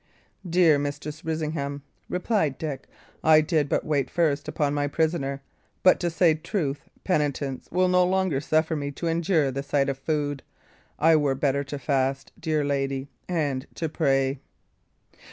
"Dear Mistress Risingham," replied Dick, "I did but wait first upon my prisoner; but, to say truth, penitence will no longer suffer me to endure the sight of food. I were better to fast, dear lady, and to pray."